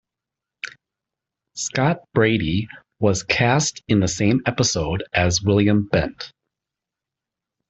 Scott Brady was cast in the same episode as William Bent.